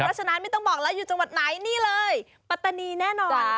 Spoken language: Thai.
เพราะฉะนั้นไม่ต้องบอกแล้วอยู่จังหวัดไหนนี่เลยปัตตานีแน่นอน